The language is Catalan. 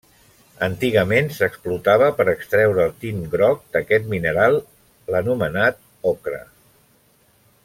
Antigament s'explotava per extreure el tint groc d'aquest mineral, l'anomenat ocre.